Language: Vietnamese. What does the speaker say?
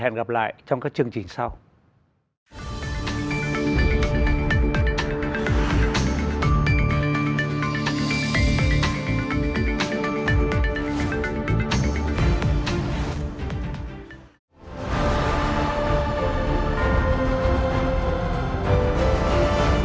hẹn gặp lại các bạn trong những video tiếp theo